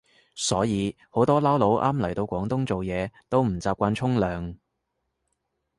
所以好多撈佬啱嚟到廣東做嘢都唔習慣沖涼